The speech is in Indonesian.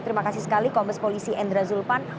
terima kasih sekali kompes polisi endra zulfan